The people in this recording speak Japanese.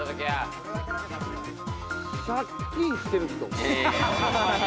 借金してる人。